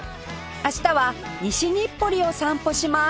明日は西日暮里を散歩します